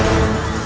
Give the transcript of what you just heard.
untuk datang kemari